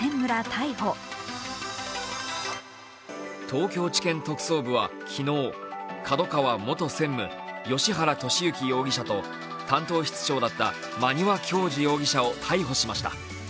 東京地検特捜部は昨日ＫＡＤＯＫＡＷＡ元専務、芳原世幸容疑者と担当室長だった馬庭教二容疑者を逮捕しました。